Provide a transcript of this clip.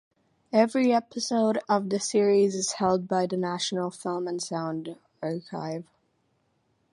Every episode of this series is held by the National Film and Sound Archive.